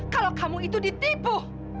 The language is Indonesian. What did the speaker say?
kalau kamu itu ditipu